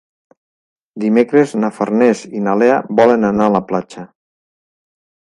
Dimecres na Farners i na Lea volen anar a la platja.